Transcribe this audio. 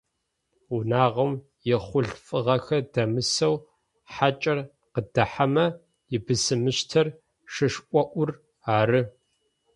Унагъом ихъулъфыгъэхэр дэмысэу хьакӏэр къыдахьэмэ ибысымыщтыр шышӏоӏур ары.